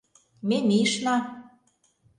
Ме мийышна.